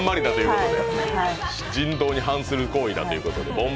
人道に反する行為だということで。